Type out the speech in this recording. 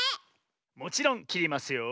もちろんきりますよ。